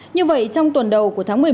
như vậy trong tuần đầu của tháng một mươi một